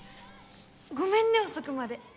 ごめんね遅くまで。